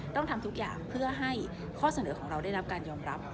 ต้องทำทุกอย่างเพื่อให้ข้อเสนอของเราได้รับการยอมรับ